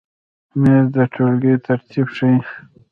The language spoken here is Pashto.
مېز د ټولګۍ ترتیب ښیي.